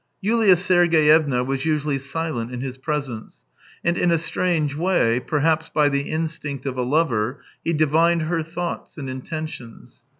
Yulia Sergeyevna was usually silent in his presence, and in a strange way, perhaps by the instinct of a lover, he divined her thoughts and intentions.